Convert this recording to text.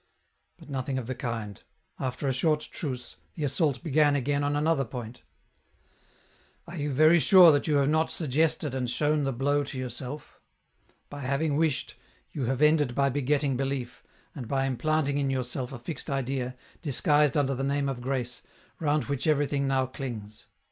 But nothing of the kind ; after a short truce, the assault began again on another point, " Are you very sure that you have not suggested and shown the blow to yourself? By having wished, you have ended by begetting belief, and by implanting in your self a fixed idea, disguised under the name of grace, round which everything now clings.